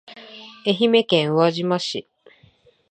愛媛県宇和島市